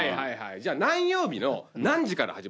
じゃあ何曜日の何時から始まるんですか？